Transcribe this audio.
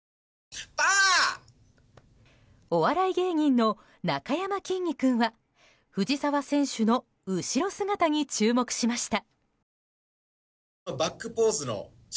お笑い芸人のなかやまきんに君は藤澤選手の後ろ姿に注目しました。